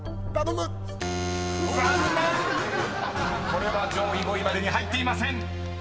これは上位５位までに入っていません］